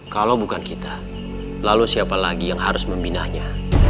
kalau bukan kita lalu siapa lagi yang harus membinanya